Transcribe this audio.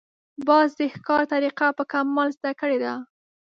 باز د ښکار طریقه په کمال زده کړې ده